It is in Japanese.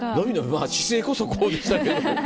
まぁ姿勢こそこうでしたけど。